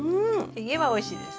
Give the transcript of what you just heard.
ひげはおいしいです。